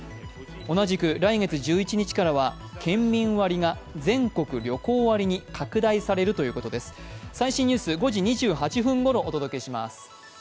同じく来月１１日からは県民割が全国旅行割に拡大されるということです。